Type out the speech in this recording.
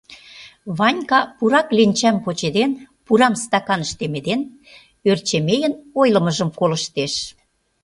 Ванька, пура кленчам почеден, пурам стаканыш темеден, Ӧрчемейын ойлымыжым колыштеш.